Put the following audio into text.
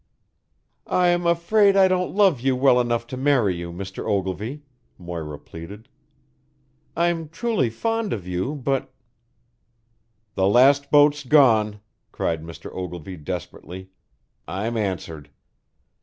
"I'm afraid I don't love you well enough to marry you, Mr. Ogilvy," Moira pleaded. "I'm truly fond of you, but " "The last boat's gone," cried Mr. Ogilvy desperately. "I'm answered.